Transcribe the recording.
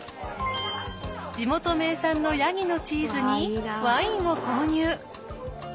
地元名産のヤギのチーズにワインを購入！